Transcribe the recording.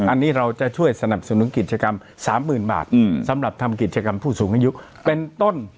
อันนี้เราจะช่วยสนับสนุนกิจกรรม๓๐๐๐บาทสำหรับทำกิจกรรมผู้สูงอายุเป็นต้น